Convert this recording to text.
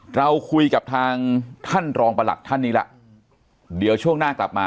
เราคุยกับทางท่านรองประหลัดท่านนี้แล้วเดี๋ยวช่วงหน้ากลับมา